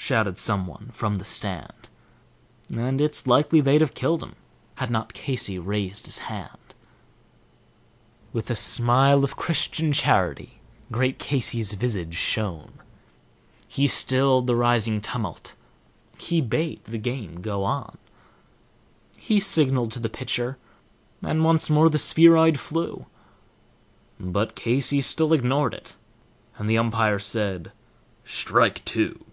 shouted someone from the stand; And it's likely they'd have killed him had not Casey raised his hand. With a smile of Christian charity great Casey's visage shone; He stilled the rising tumult; he bade the game go on; He signaled to the pitcher, and once more the spheroid flew; But Casey still ignored it, and the umpire said, "Strike two."